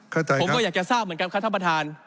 เข้าใจครับผมก็อยากจะทราบเหมือนกันค่ะท่านประธาน